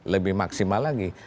lebih maksimal lagi